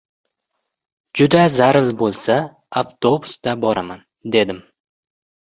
Juda zaril bo‘lsa, avtobusda boraman! — dedim.